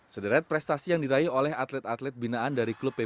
sederet prestasi yang diraih oleh atlet atlet binaan dari klub pbb